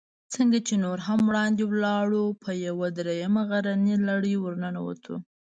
څنګه چې نور هم وړاندې ولاړو، په یوه درېیمه غرنۍ لړۍ ورننوتو.